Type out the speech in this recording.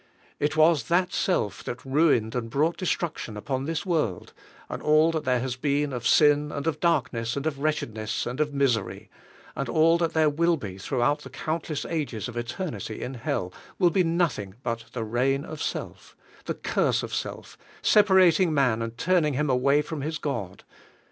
It was that self that ruined and brought destruction upon this world, and all that there has been of sin, and of darkness, and of wretchedness, and of misery; and all that there will be throughout the countless ages of eternity in hell, will be nothing but the reign of self, the curse of self, separating man and turning him away from his God.